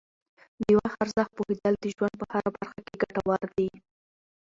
د وخت ارزښت پوهیدل د ژوند په هره برخه کې ګټور دي.